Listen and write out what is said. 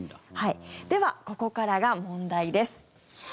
では、ここからが問題です。